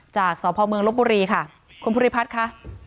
จากสพเมืองลบบุรีค่ะคุณภูริพัฒน์ค่ะ